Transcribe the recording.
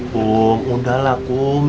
kum udahlah kum